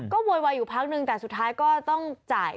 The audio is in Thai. ก็โวยวายอยู่พักนึงแต่สุดท้ายก็ต้องจ่าย